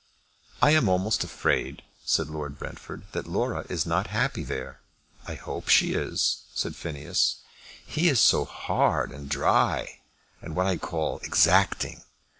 "I am almost afraid," said Lord Brentford, "that Laura is not happy there." "I hope she is," said Phineas. "He is so hard and dry, and what I call exacting.